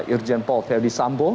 irjen paul ferdis sambo